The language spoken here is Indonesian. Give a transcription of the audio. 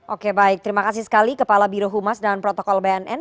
oke baik terima kasih sekali kepala birohumas dan protokol bnn